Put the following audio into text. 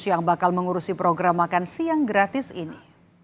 yang bakal mengurusi program makan siang gratis ini